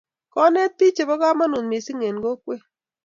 konet ko bich che bo komonut misiing en kokwee